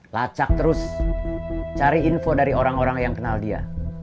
lacak terus cari info dari orang orang yang kenal dia